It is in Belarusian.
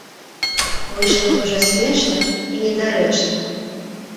Выйшла дужа смешна і недарэчна.